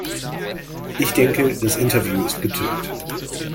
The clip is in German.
Ich denke, das Interview ist getürkt.